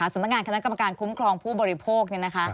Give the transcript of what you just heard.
สำนักงานคณะกรรมการคุ้มครองผู้บริโภค